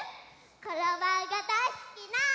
コロバウがだいすきな。